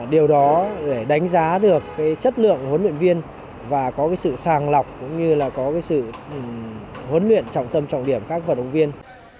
điều đó để đánh giá được chất lượng huấn luyện viên và có sự sàng lọc cũng như là có sự huấn luyện trọng tâm trọng điểm các vận động viên